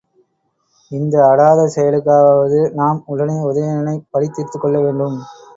இந்த அடாத செயலுக்காகவாவது நாம் உடனே உதயணனைப் பழி தீர்த்துக்கொள்ள வேண்டும்.